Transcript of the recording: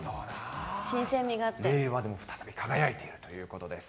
令和でも再び輝いているということです。